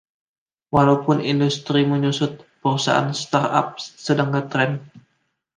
Walaupun industri menyusut, perusahaan start up sedang ngetren.